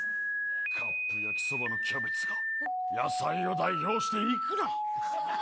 カップ焼きそばのキャベツが野菜を代表して行くな！